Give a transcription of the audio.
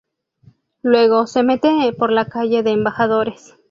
Luego, se mete por la Calle de Embajadores.